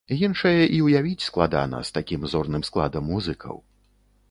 Іншае і ўявіць складана, з такім зорным складам музыкаў.